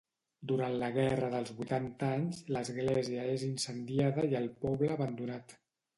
Durant la Guerra dels Vuitanta Anys l'església és incendiada i el poble abandonat.